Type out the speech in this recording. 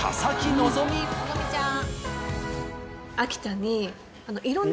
希ちゃん。